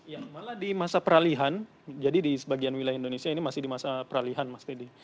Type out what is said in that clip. ya malah di masa peralihan jadi di sebagian wilayah indonesia ini masih di masa peralihan mas teddy